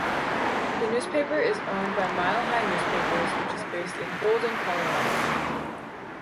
The newspaper is owned by Mile High Newspapers, which is based in Golden, Colorado.